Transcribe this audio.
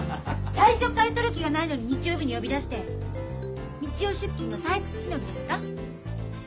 最初から採る気がないのに日曜日に呼び出して日曜出勤の退屈しのぎですか？